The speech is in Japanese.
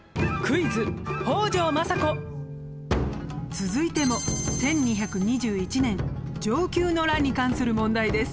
続いても１２２１年承久の乱に関する問題です。